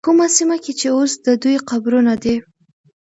کومه سیمه کې چې اوس د دوی قبرونه دي.